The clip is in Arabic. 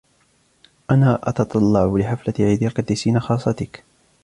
أنا أتتطلع لحفلة عيد القديسيين خاصتك.